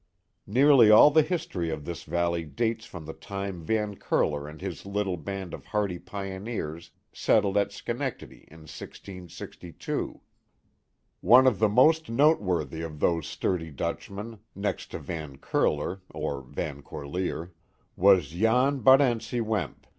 Nearly all the his tory of the valley dates from the time Van Curler and his little band of hardy pioneers settled at Schenectady in 1662. One of the most noteworthy of those sturdy Dutchmen, next to Van Curler (or Van Corlear), was Jan Barentse Wemp.